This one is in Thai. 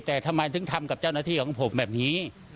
แต่ทำไมถึงทำกับเจ้าหน้าที่ของผมแบบนี้